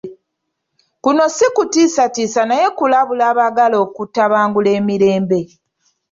Kuno si kutiisatiisa naye kulabula abaagala okutabangula emirembe.